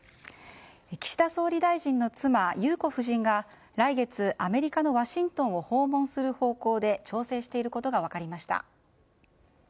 岸田総理大臣の妻・裕子夫人が来月、アメリカのワシントンを訪問する方向で調整していることが分かりました。